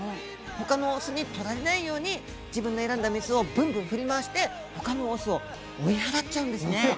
他のオスにとられないように自分の選んだメスをぶんぶん振り回して他のオスを追い払っちゃうんですね。